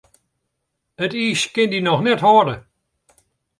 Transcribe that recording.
It iis kin dy noch net hâlde.